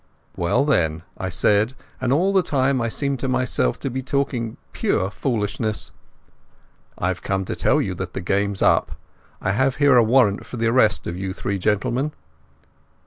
"Well, then," I said, and all the time I seemed to myself to be talking pure foolishness—"I have come to tell you that the game's up. I have a warrant for the arrest of you three gentlemen."